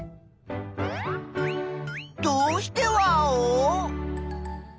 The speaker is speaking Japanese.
どうしてワオ？